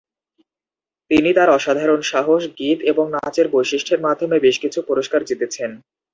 তিনি তাঁর অসাধারণ সাহস, গীত এবং নাচের বৈশিষ্ট্যের মাধ্যমে বেশ কিছু পুরস্কার জিতেছেন।